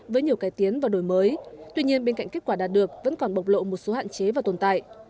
với nhiều cải tiến và đổi mới tuy nhiên bên cạnh kết quả đạt được vẫn còn bộc lộ một số hạn chế và tồn tại